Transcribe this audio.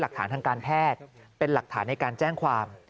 หลักฐานทางการแพทย์เป็นหลักฐานในการแจ้งความ